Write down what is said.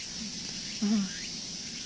うん。